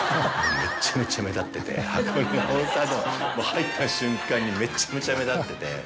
箱根の温泉宿入った瞬間にめちゃめちゃ目立ってて。